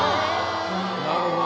なるほど。